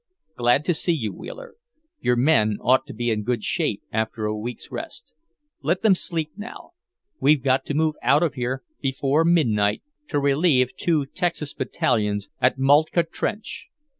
"Glad to see you, Wheeler. Your men ought to be in good shape, after a week's rest. Let them sleep now. We've got to move out of here before midnight, to relieve two Texas battalions at Moltke trench.